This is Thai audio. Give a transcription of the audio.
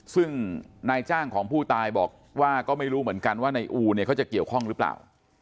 ซึ่งนายจ้างของผู้ตายบอกว่าก็ไม่รู้เหมือนกันว่านายอูเนี่ยเขาจะเกี่ยวข้องหรือเปล่า